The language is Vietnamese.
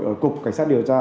ở cục cảnh sát điều tra